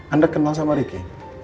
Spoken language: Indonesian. anda kenal sama riki